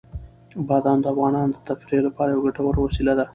بادام د افغانانو د تفریح لپاره یوه ګټوره وسیله ده.